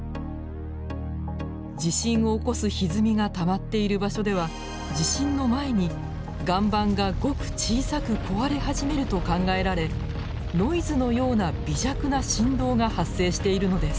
地震を起こすひずみがたまっている場所では地震の前に岩盤がごく小さく壊れ始めると考えられノイズのような微弱な振動が発生しているのです。